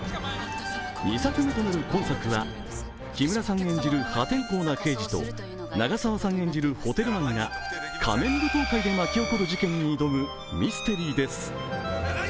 ２作目となる今作は、木村さん演じる破天荒な刑事と長澤さん演じるホテルマンが仮面舞踏会で起こる事件に挑むミステリーです。